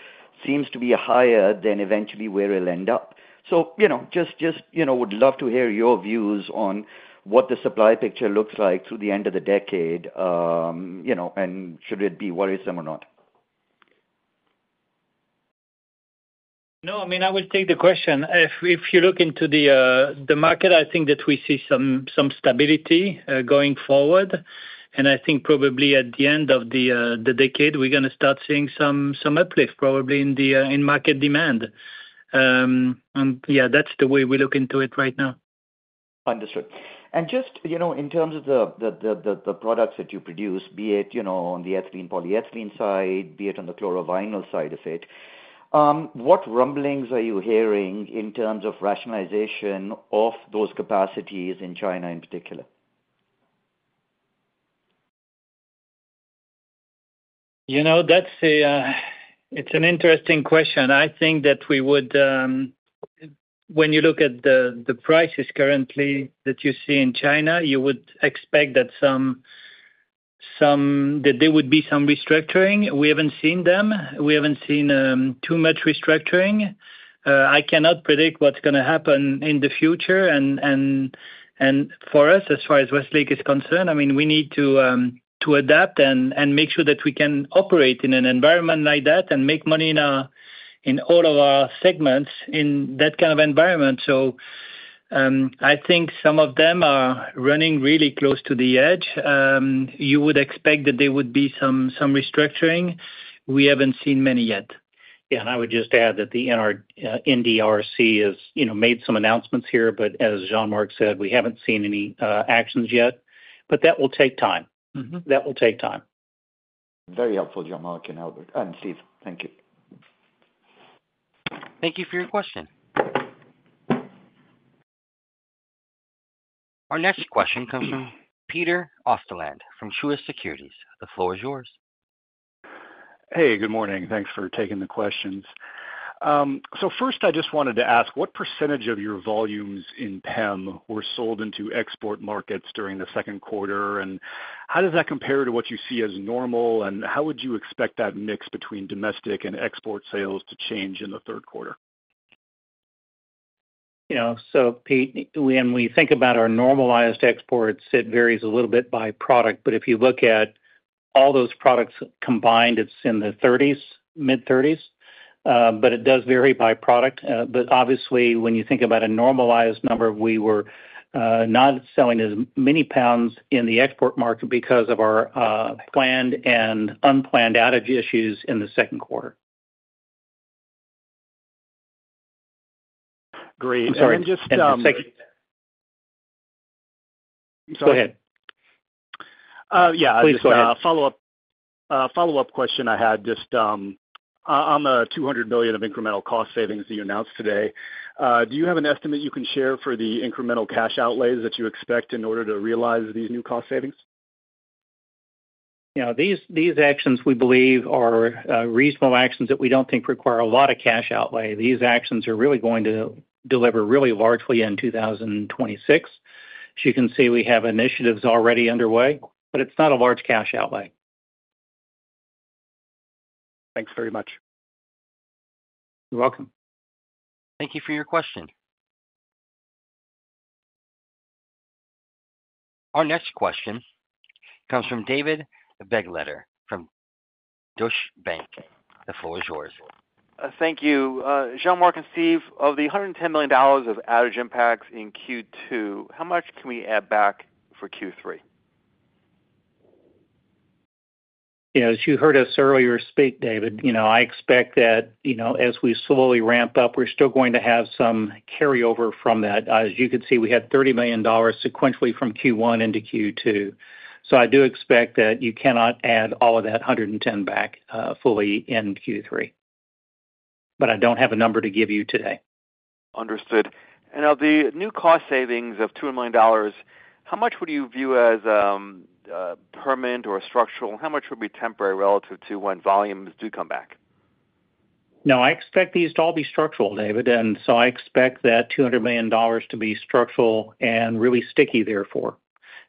seems to be higher than eventually where it will end up. I would love to hear your views on what the supply picture looks like through the end of the decade, and should it be worrisome or not? I will take the question. If you look into the market, I think that we see some stability going forward, and I think probably at the end of the decade we're going to start seeing some uplift probably in the in-market demand. That's the way we look into it right now. Understood. In terms of the products that you produce, be it on the ethylene polyethylene side or on the chlorovinyl side of it, what rumblings are you hearing in terms of rationalization of those capacities in China in particular? That's an interesting question. I think that we would, when you look at the prices currently that you see in China, you would expect that there would be some restructuring. We haven't seen them. We haven't seen too much restructuring. I cannot predict what's going to happen in the future. For us, as far as Westlake is concerned, we need to adapt and make sure that we can operate in an environment like that and make money in all of our segments in that kind of environment. I think some of them are running really close to the edge. You would expect that there would be some restructuring. We haven't seen many yet. I would just add that the NDRC has made some announcements here, but as Jean-Marc Gilson said, we haven't seen any actions yet. That will take time. That will take time. Very helpful, Jean-Marc and Steve, thank you. Thank you for your question. Our next question comes from Peter Osterland from Truist Securities. The floor is yours. Hey, good morning. Thanks for taking the questions. First, I just wanted to ask. What percentage of your volumes in PEM were sold into export markets during the second quarter? How does that compare to. What do you see as normal? How would you expect that mix? Between domestic and export sales to change. In the third quarter? Pete, when we think about our normalized exports, it varies a little bit by product, but if you look at all those products combined, it's in the 30s, mid-30s, but it does vary by product. Obviously, when you think about a normalized number, we were not selling as many pounds in the export market because of our planned and unplanned outage issues in the second quarter. Great. Sorry, go ahead. Yeah, please, go ahead. Follow up question I had just on the $200 million of incremental cost savings that you announced today, do you have an estimate you can share for the. Incremental cash outlays that you expect in. order to realize these new cost savings? Yeah, these actions, we believe, are reasonable actions that we don't think require a lot of cash outlay. These actions are really going to deliver really largely in 2026. As you can see, we have initiatives already underway, but it's not a large cash outlay. Thanks very much. You're welcome. Thank you for your question. Our next question comes from David Begleiter from Deutsche Bank. The floor is yours. Thank you. Jean-Marc and Steve, of the $110 million of outage impacts in Q2, how much can we add back for Q3? Yeah. As you heard us earlier speak, David, I expect that, you know, as we slowly ramp up, we're still going to have some carryover from that. As you can see, we had $30 million sequentially from Q1 into Q2. I do expect that you cannot add all of that $110 million back fully in Q3, but I don't have a number to give you today. Understood. The new cost savings of $2 million, how much would you view as permanent or structural? How much would be temporary relative to when volumes do come back? I expect these to all be structural, David. I expect that $200 million to be structural and really sticky.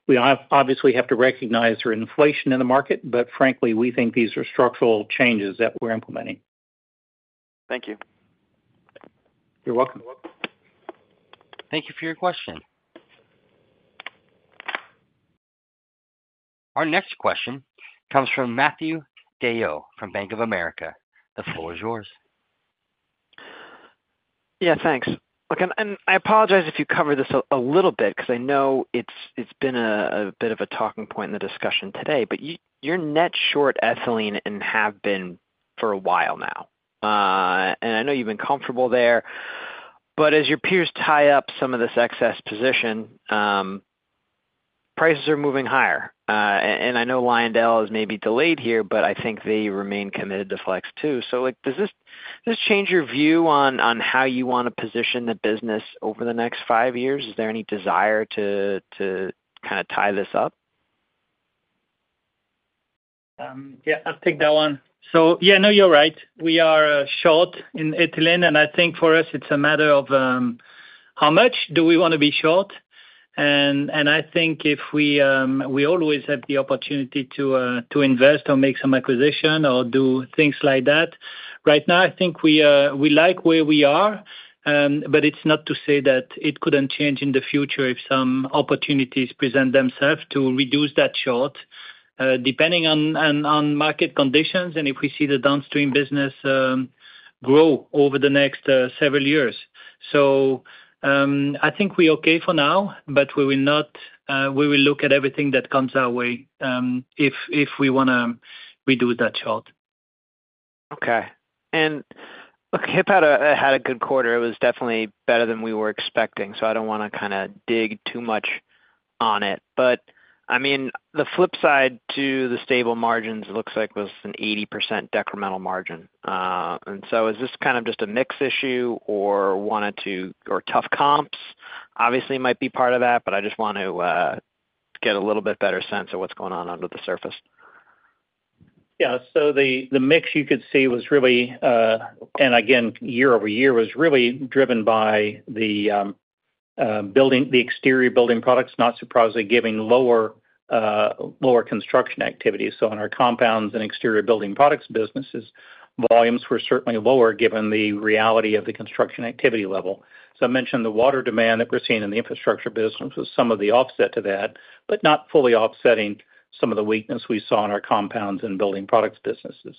We obviously have to recognize there is inflation in the market, but frankly, we think these are structural changes that we're implementing. Thank you. You're welcome. Thank you for your question. Our next question comes from Matthew Deyoe from Bank of America. The floor is yours. Yeah, thanks. I apologize if you cover this. Little bit because I know it's been a bit of a talking point. The discussion today is that you're net short ethylene and have been for a while now. I know you've been comfortable there. As your peers tie up some. Of this excess position. Prices are moving higher. I know Lyondell is maybe delayed here, but I think they remain committed to flex, too. Does this change your view on. How do you want to position the business over the next five years? Is there any desire to tie this up? Yeah, I'll take that one. You're right. We are short in Italy. I think for us, it's a matter of how much do we want to be short. I think we always have the opportunity to invest or make some acquisition or do things like that. Right now, I think we like where we are. It's not to say that it couldn't change in the future if some opportunities present themselves to reduce that short, depending on market conditions. If we see the downstream business grow over the next several years, I think we are okay for now, but we will look at everything that comes our way if we want to redo that chart. Okay. Look, HIP. Had a good quarter. It was definitely better than we were expecting. I don't want to kind of dig too much on it, but I. Mean the flip side to the stable. Margins look like it was an 80% decremental margin. Is this kind of just a mix issue, or are tough comps obviously part of that? I just want to get a little bit better sense of what's going on under the surface. Yeah. The mix you could see was really, and again year over year, was really driven by the building, the exterior building products, not surprisingly given lower construction activity. In our compounds and exterior building products businesses, volumes were certainly lower given the reality of the construction activity level. I mentioned the water demand that we're seeing in the infrastructure business was some of the offset to that, but not fully offsetting some of the weakness we saw in our compounds and building products businesses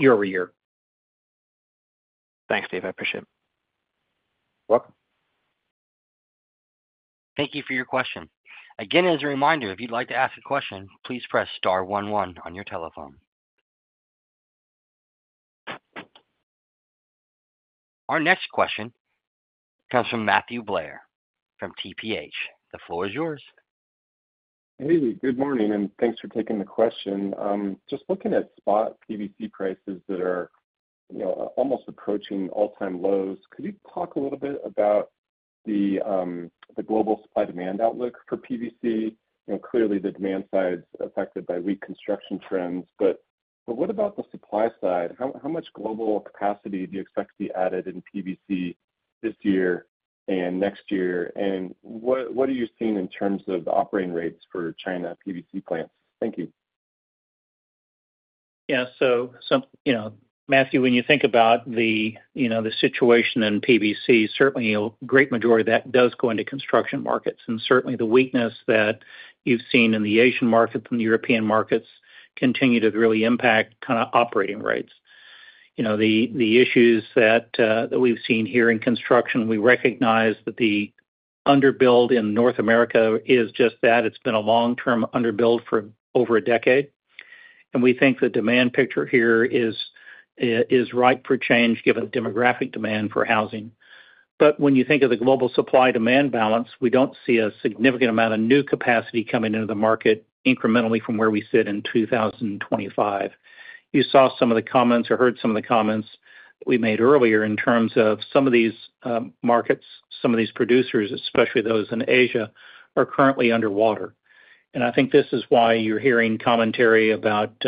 year over year. Thanks, Steve. I appreciate it. Welcome. Thank you for your question. As a reminder, if you'd like to ask a question, please press star one one on your telephone. Our next question comes from Matthew Blair from TPH. The floor is yours. Hey, good morning and thanks for taking the question. Just looking at spot PVC prices that are almost approaching all-time lows, could you talk a little bit about the global supply-demand outlook for PVC? Clearly the demand side is affected by weak construction trends, but what about the supply side? How much global capacity do you expect to be added in PVC this year and next year? What are you seeing in terms of the operating rates for China PVC plants? Thank you. Yeah. So Matthew, when you think about the situation in PVC, certainly a great majority of that does go into construction markets. Certainly the weakness that you've seen in the Asian market and European markets continues to really impact kind of operating rates. The issues that we've seen here in construction, we recognize that the under build in North America is just that. It's been a long-term under build for over a decade and we think the demand picture here is ripe for change given demographic demand for housing. When you think of the global supply-demand balance, we don't see a significant amount of new capacity coming into the market incrementally from where we sit in 2025. You saw some of the comments or heard some of the comments we made earlier in terms of some of these markets. Some of these producers, especially those in Asia, are currently underwater and I think this is why you're hearing commentary about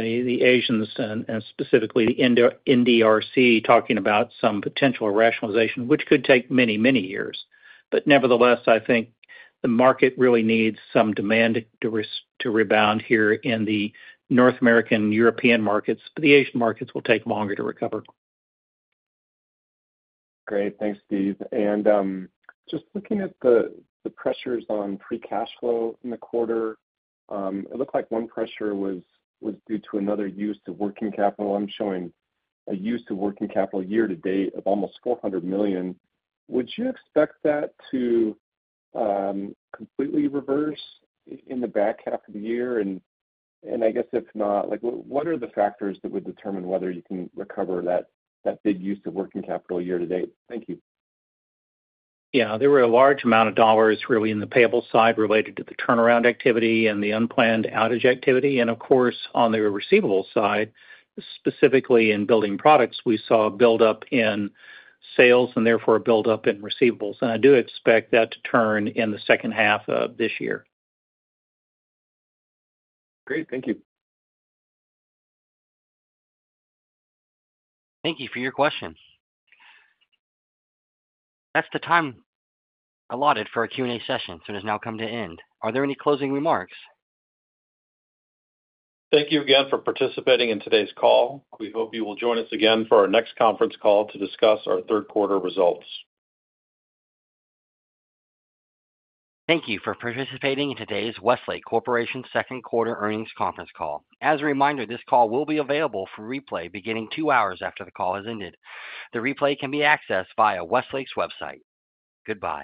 the Asians and specifically NDRC talking about some potential rationalization which could take many, many years. Nevertheless, I think the market really needs some demand to rebound here in the North American and European markets. The Asian markets will take longer to recover. Great. Thanks, Steve. Just looking at the pressures on free cash flow in the quarter, it looked like one pressure was due to another use to working capital. I'm showing a use of working capital year to date of almost $400 million. Would you expect that to completely reverse in the back half of the year? If not, what are the factors that would determine whether you can recover that big use of working capital year to date? Thank you. Yeah, there were a large amount of dollars really in the payable side related to the turnaround activity and the unplanned outage activity. Of course, on the receivable side, specifically in building products, we saw a buildup in and therefore buildup in receivables. I do expect that to turn in the second half of this year. Great. Thank you. Thank you for your question. That's the time allotted for a Q&A session, so it has now come to an end. Are there any closing remarks? Thank you again for participating in today's call. We hope you will join us again for our next conference call to discuss. Our third quarter results. Thank you for participating in today's Westlake Corporation second quarter earnings conference call. As a reminder, this call will be available for replay beginning two hours after the call has ended. The replay can be accessed via Westlake's website. Goodbye.